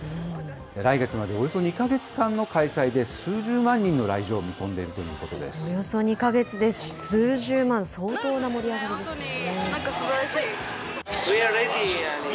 来月まで、およそ２か月間の開催で数十万人の来場を見込んでいるおよそ２か月で数十万、相当な盛り上がりですよね。